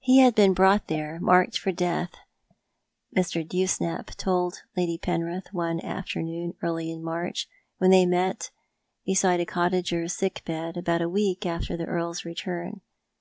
He had been brought there marked for death, Mr. Dewsnap told Lady Penrith one afternoon early in March, when they met beside a cottager's sick bed, about a week after the earl's return.